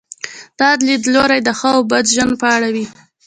دا لیدلوری د ښه او بد ژوند په اړه وي.